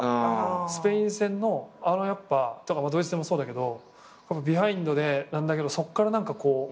スペイン戦のドイツ戦もそうだけどビハインドなんだけどそっから何かこう。